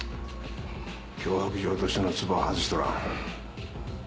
脅迫状としてのツボは外しとらん。